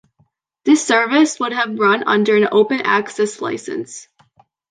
This service would have run under an "open access" licence.